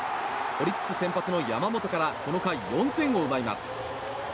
オリックス先発の山本からこの回４点を奪います。